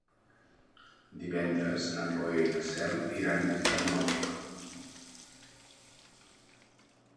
Divendres na Cloè i na Cel iran a visitar mon oncle.